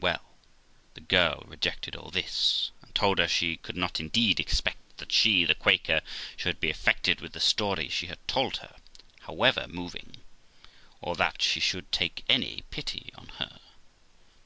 Well, the girl rejected all this, and told her she could not indeed expect that she (the Quaker) should be affected with the story she had told her, however moving, or that she should take any pity on her.